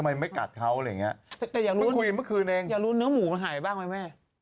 ตคบี้งมันจะหายบ้างไหม